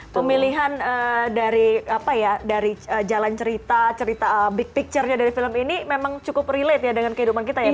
pemilihan dari apa ya dari jalan cerita cerita big picture nya dari film ini memang cukup relate ya dengan kehidupan kita ya bu candu